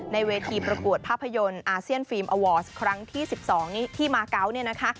ในเวทีประกวดภาพยนตร์อาเซียนฟิล์อวอร์สครั้งที่๑๒ที่มาเกาะเนี่ยนะคะ